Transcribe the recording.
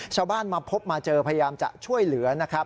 ชาวบ้านมาพบมาเจอพยายามจะช่วยเหลือนะครับ